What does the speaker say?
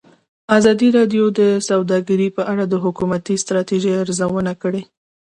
ازادي راډیو د سوداګري په اړه د حکومتي ستراتیژۍ ارزونه کړې.